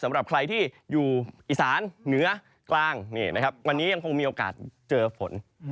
สำหรับใครที่อยู่อีสานเหนือกลางนี่นะครับวันนี้ยังคงมีโอกาสเจอฝน